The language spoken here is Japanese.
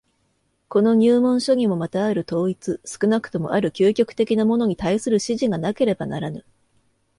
この入門書にもまたある統一、少なくともある究極的なものに対する指示がなければならぬ。